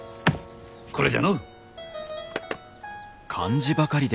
これじゃのう。